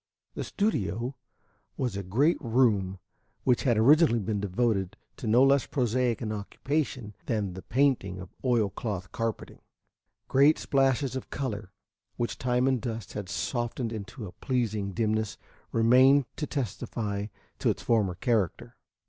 The studio was a great room which had originally been devoted to no less prosaic an occupation than the painting of oil cloth carpeting, great splashes of color, which time and dust had softened into a pleasing dimness, remaining to testify to its former character.